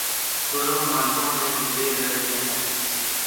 دونوں ملکوں میں حملے کررہے ہیں